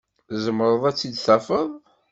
Tzemreḍ ad t-id-tafeḍ?